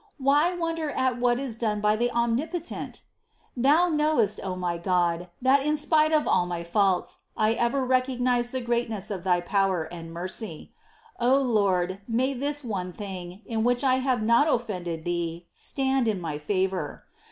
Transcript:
Why wonder at what is done by the Omni potent ? 5. Thou knowest, O my God, that, in spite of all my faults, I ever recognised the greatness of Thy power and mercy ; O Lord, may this one thing, in which I have not offended Thee, stand in my favour